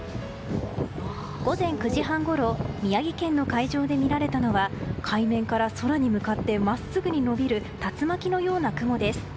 午前９時半ごろ宮城県の海上で見られたのは海面から空に向かって真っすぐに伸びる竜巻のような雲です。